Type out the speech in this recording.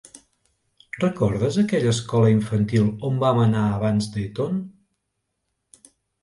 Recordes aquella escola infantil on vam anar abans d'Eton?